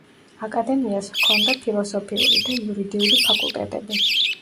აკადემიას ჰქონდა ფილოსოფიური და იურიდიული ფაკულტეტები.